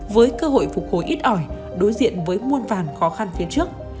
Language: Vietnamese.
với cơ hội phục hồi ít ỏi đối diện với muôn vàn khó khăn phía trước